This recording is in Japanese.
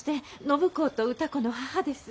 暢子と歌子の母です。